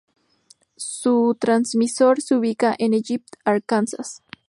Su transmisor se ubica en Egypt, Arkansas.